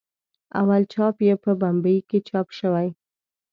اول چاپ یې په بمبئي کې چاپ شوی.